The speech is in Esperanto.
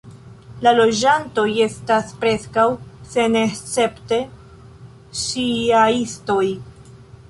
La loĝantoj estas preskaŭ senescepte ŝijaistoj.